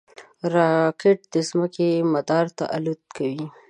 راکټ د ځمکې مدار ته الوت کوي